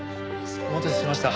お待たせしました。